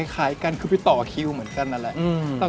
คล้ายกันขึ้นไปต่อคิวเหมือนจั้นแล้วละอืมต้อง